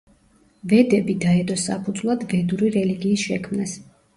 ვედები დაედო საფუძვლად ვედური რელიგიის შექმნას.